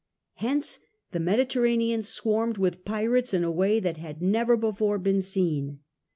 Hence the Mediterranean swarmed with pirates in a way that had never before been seen.